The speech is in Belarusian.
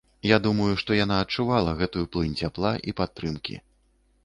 Я думаю, што яна адчувала гэтую плынь цяпла і падтрымкі.